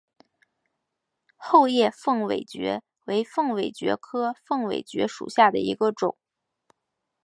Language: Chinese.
厚叶凤尾蕨为凤尾蕨科凤尾蕨属下的一个种。